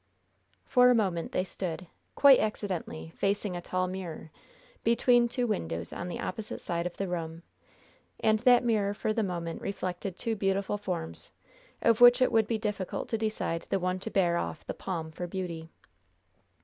For a moment they stood, quite accidentally, facing a tall mirror, between two windows on the opposite side of the room, and that mirror for the moment reflected two beautiful forms, of which it would be difficult to decide the one to bear off the palm for beauty.